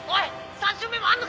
３周目もあんのか